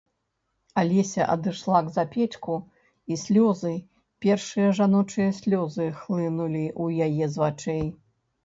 Алеся адышла к запечку, і слёзы, першыя жаночыя слёзы, хлынулі ў яе з вачэй.